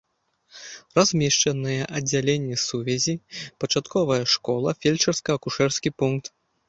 Размешчаныя аддзяленне сувязі, пачатковая школа, фельчарска-акушэрскі пункт.